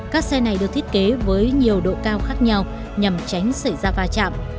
các xe này được thiết kế với nhiều độ cao khác nhau nhằm tránh xảy ra va chạm